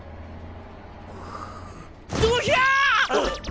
くどひゃ！